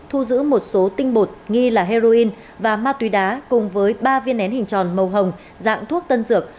thu giữ một số tinh bột nghi là heroin và ma túy đá cùng với ba viên nén hình tròn màu hồng dạng thuốc tân dược